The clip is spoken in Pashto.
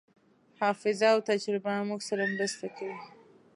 حافظه او تجربه موږ سره مرسته کوي.